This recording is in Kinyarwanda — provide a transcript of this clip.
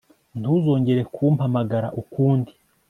Ntuzongere kumpamagara ukundi